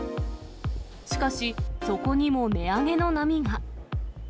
しかし、そこにも値上げの波が。